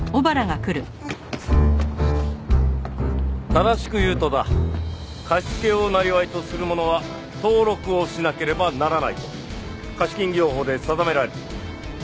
正しく言うとだ貸し付けを生業とする者は登録をしなければならないと貸金業法で定められている。